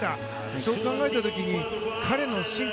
そう考えた時に彼の進化。